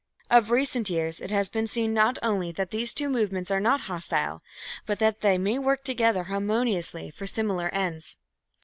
Of recent years it has been seen not only that these two movements are not hostile, but that they may work together harmoniously for similar ends.